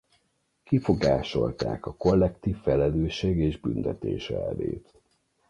Kifogásolták a kollektív felelősség és büntetés elvét.